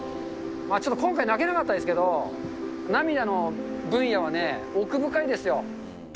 ちょっと今回、泣けなかったですけど、涙の分野はね、奥深いですよ。